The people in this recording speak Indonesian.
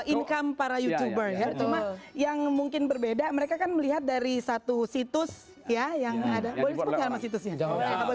income para youtuber yang mungkin berbeda mereka kan melihat dari satu situs ya yang ada